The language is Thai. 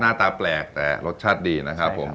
หน้าตาแปลกแต่รสชาติดีนะครับผม